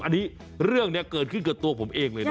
อันนี้เรื่องนี้เกิดขึ้นกับตัวผมเองเลยนะ